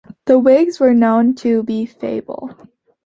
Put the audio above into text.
The Whigs were known to be feeble.